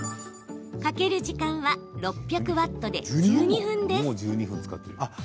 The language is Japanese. かける時間は６００ワットで１２分です。